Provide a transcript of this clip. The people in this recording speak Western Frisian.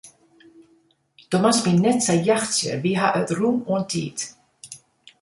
Do moatst my net sa jachtsje, we hawwe it rûm oan tiid.